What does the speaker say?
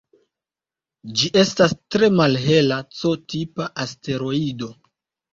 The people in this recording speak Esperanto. Ĝi estas tre malhela C-tipa asteroido.